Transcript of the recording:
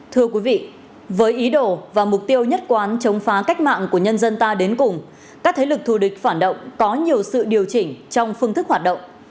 thưa quý vị với ý đồ và mục tiêu nhất quán chống phá cách mạng của nhân dân ta đến cùng các thế lực thù địch phản động có nhiều sự điều chỉnh trong phương thức hoạt động